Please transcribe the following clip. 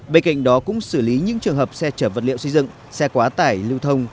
bên cạnh đó cũng xử lý những trường hợp xe chở vật liệu xây dựng xe quá tải lưu thông